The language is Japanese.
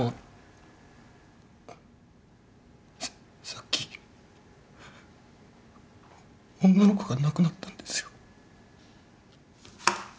さっき女の子が亡くなったんですよ。